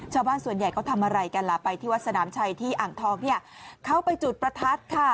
ชาวบ้านส่วนใหญ่เขาทำอะไรกันล่ะไปที่วัดสนามชัยที่อ่างทองเนี่ยเขาไปจุดประทัดค่ะ